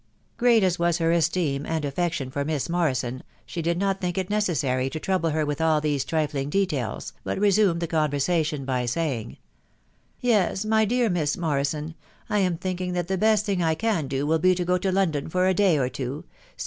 . Great as was her esteem and affection for Miss Morrison, . she did not think it necessary to trouble her with all these . trifling details, but resumed the conversation by saying, ~" Yes, my dear Miss Morrison, I am thinking that the best thing I can do will be to go to London for a day or two, see